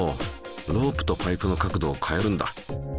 ロープとパイプの角度を変えるんだ。